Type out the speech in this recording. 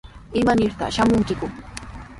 ¿Imanirtaq shamunkiku?